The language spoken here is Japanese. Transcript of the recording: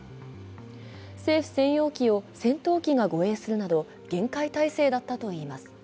政府専用機を戦闘機が護衛するなど、厳戒態勢だったといいます。